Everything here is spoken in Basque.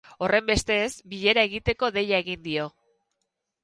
Horrenbestez, bilera egiteko deia egin dio.